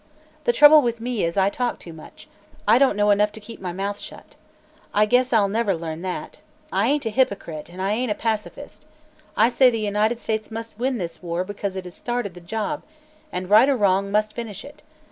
The trouble with me is, I talk too much; I don't know enough to keep my mouth shut. I guess I'll never learn that. I ain't a hypocrite, and I ain't a pacifist. I say the United States must win this war because it has started the job, and right or wrong, must finish it.